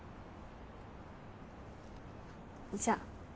じゃあ。